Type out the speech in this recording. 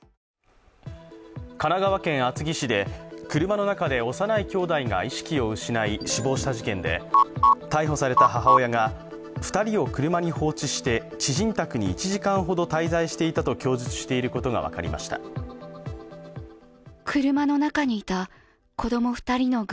神奈川県厚木市で車の中で幼いきょうだいが意識を失い死亡した事件で、逮捕された母親が２人を車に放置して知人宅に１時間ほど滞在していたと供述していることが分かりました。